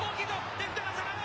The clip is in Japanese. レフトが下がる。